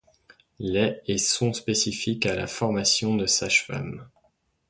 Les et sont spécifiques à la formation de sage-femme.